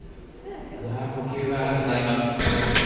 呼吸が荒くなります。